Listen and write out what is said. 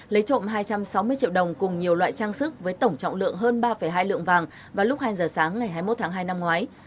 lấy trộm hai trăm sáu mươi triệu đồng cùng nhiều loại trang sức với tổng trọng lượng hơn ba hai lượng vàng vào lúc hai giờ sáng ngày hai mươi một tháng hai năm ngoái